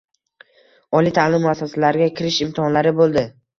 Oliy taʼlim muassasalariga kirish imtihonlari bo'ldi